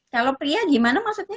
kalau pria gimana maksudnya